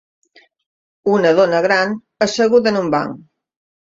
Una dona gran asseguda en un banc